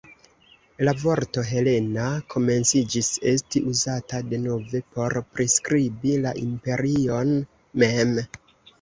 La vorto "Helena" komenciĝis esti uzata denove por priskribi la imperion mem.